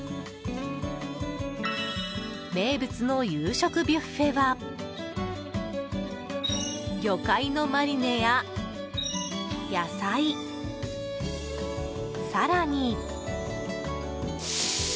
名物の夕食ビュッフェは魚介のマリネや野菜、更に。